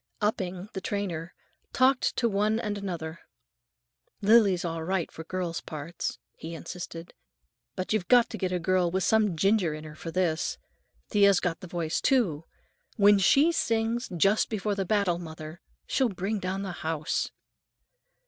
Upping, the trainer, talked to one and another: "Lily's all right for girl parts," he insisted, "but you've got to get a girl with some ginger in her for this. Thea's got the voice, too. When she sings, 'Just Before the Battle, Mother,' she'll bring down the house."